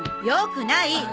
よくない！